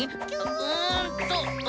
うんとう。